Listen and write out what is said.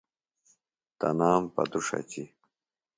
تنام پتوۡ ݜچیۡ